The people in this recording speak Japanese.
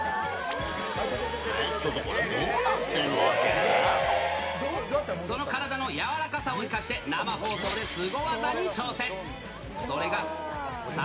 ちょっとこれ、どうなってるその体の柔らかさを生かして、生放送でスゴ技に挑戦。